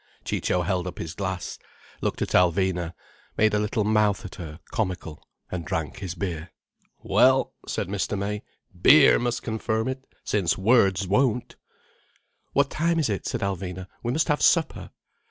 Ciccio held up his glass, looked at Alvina, made a little mouth at her, comical, and drank his beer. "Well," said Mr. May, "beer must confirm it, since words won't." "What time is it?" said Alvina. "We must have supper."